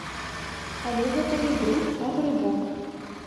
Але гэта не бруд, а грыбок.